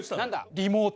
リモート。